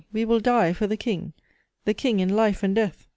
We will die for the King! The King in life and death!'